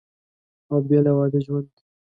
او بېله واده ژوند